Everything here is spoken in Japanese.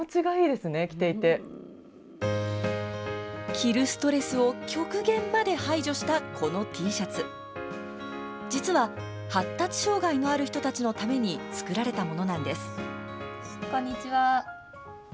着るストレスを極限まで排除したこのＴシャツ実は発達障害のある人たちのために作られたものなんです。